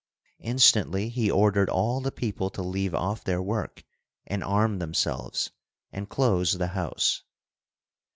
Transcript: Instantly he ordered all the people to leave off their work and arm themselves and close the house.